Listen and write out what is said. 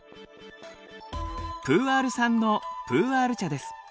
プーアール産のプーアール茶です。